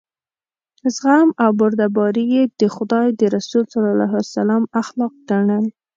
زغم او بردباري یې د خدای د رسول صلی الله علیه وسلم اخلاق ګڼل.